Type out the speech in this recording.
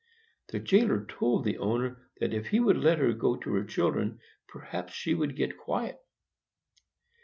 The jailer told the owner that if he would let her go to her children, perhaps she would get quiet.